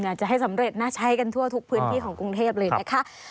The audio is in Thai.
จะให้สำเร็จนะใช้กันทั่วทุกพื้นที่ของกรุงเทพเลยนะคะ